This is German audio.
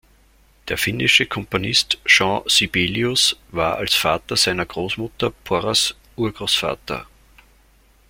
Der finnische Komponist Jean Sibelius war als Vater seiner Großmutter Porras Urgroßvater.